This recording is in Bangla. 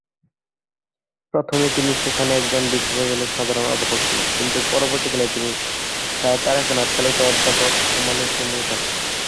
প্রথমে তিনি সেখানে একজন বিশ্ববিদ্যালয়ের সাধারন অধ্যাপক ছিলেন কিন্তু পরবর্তীকালে তিনি স্যার তারকনাথ পালিত অধ্যাপক সম্মানে সম্মানিত হন।